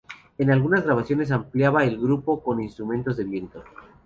En algunas grabaciones ampliaba el grupo con instrumentos de viento.